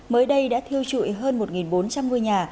mới đây đã thiêu trụi hơn một bốn trăm linh ngôi nhà